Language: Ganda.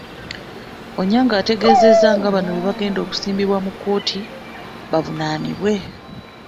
Onyango ategeezezza nga bano bwe bagenda okusimbibwa mu kkooti, bavunaanibwe.